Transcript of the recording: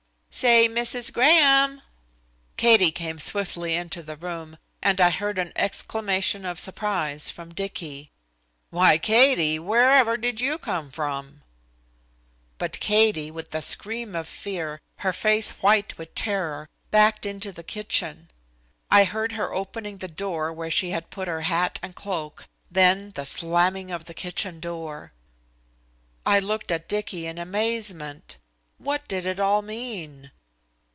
"Say, Missis Graham!" Katie came swiftly into the room, and I heard an exclamation of surprise from Dicky. "Why, Katie, wherever did you come from?" But Katie, with a scream of fear, her face white with terror, backed into the kitchen. I heard her opening the door where she had put her hat and cloak, then the slamming of the kitchen door. I looked at Dicky in amazement. What did it all mean?